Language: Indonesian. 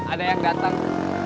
ada yang datang